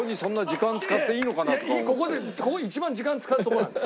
ここ一番時間使うとこなんです。